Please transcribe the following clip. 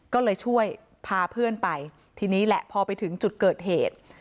ก็เลยช่วยพาเพื่อนไปทีนี้แหละพอไปถึงจุดเกิดเหตุ